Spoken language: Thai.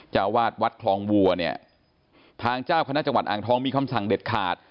เจ้าวาดวัดคลองวัวเนี่ยทางเจ้าคณะจังหวัดอ่างทองมีคำสั่งเด็ดขาด